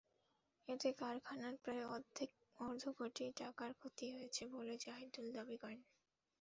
এতে কারখানার প্রায় অর্ধকোটি টাকার ক্ষতি হয়েছে বলে জাহিদুল দাবি করেন।